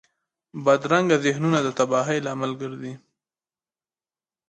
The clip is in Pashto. بدرنګه ذهنونه د تباهۍ لامل ګرځي